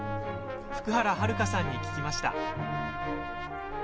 福原遥さんに聞きました。